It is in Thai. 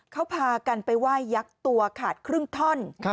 เขาพากันไปไหว้ยักษ์ตัวขาดครึ่งท่อน